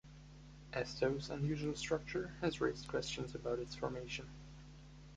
Astove's unusual structure has raised questions about its formation.